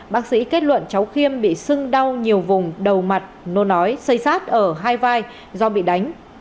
bác sĩ kết luận cháu khiêm bị sưng đau nhiều vùng đầu mặt nô nói xây xát ở hai vai do bị đánh